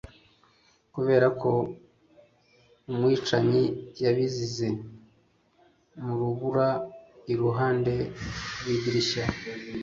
kuberako umwicanyi yabisize mu rubura iruhande rw'idirishya